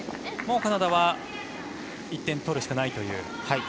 もうカナダは１点取るしかないという。